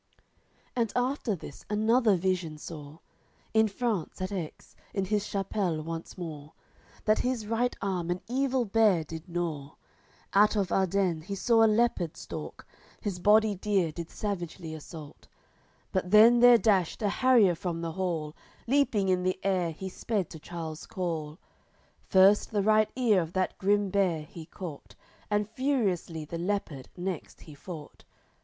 LVII And after this another vision saw, In France, at Aix, in his Chapelle once more, That his right arm an evil bear did gnaw; Out of Ardennes he saw a leopard stalk, His body dear did savagely assault; But then there dashed a harrier from the hall, Leaping in the air he sped to Charles call, First the right ear of that grim bear he caught, And furiously the leopard next he fought.